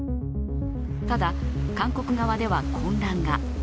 ただ、韓国側では混乱が。